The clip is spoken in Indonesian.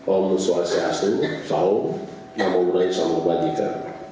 om swastiastu saw yang memulai sama bajika